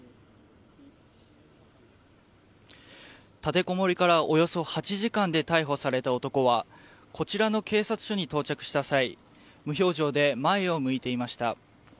立てこもりからおよそ８時間で逮捕された男はこちらの警察署に到着した際無表情で前を向いていました。